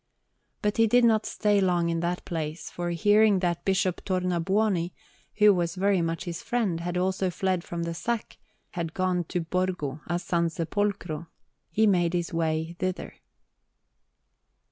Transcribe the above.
But he did not stay long in that place, for, hearing that Bishop Tornabuoni, who was very much his friend, and had also fled from the sack, had gone to Borgo a San Sepolcro, he made his way thither.